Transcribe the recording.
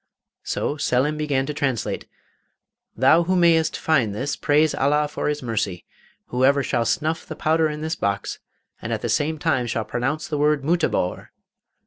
So Selim began to translate: 'Thou who mayest find this, praise Allah for his mercy. Whoever shall snuff the powder in this box, and at the same time shall pronounce the word "Mutabor!"